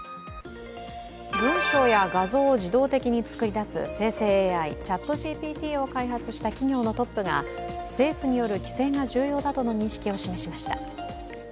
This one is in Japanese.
文章や画像を自動的に作り出す生成ＡＩＣｈａｔＧＰＴを開発した企業のトップが政府による規制が重要だとの認識を示しました。